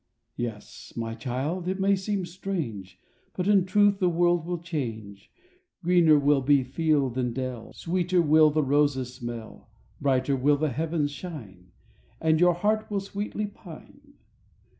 .. Yes, my child, it may seem strange, But in truth the world will change Greener will be field and dell, Sweeter will the roses smell, Brighter will the heavens shine And your heart will sweetly pine.